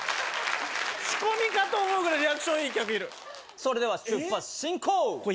仕込みかと思うぐらいリアクションいい客いるそれでは出発進行ええっ？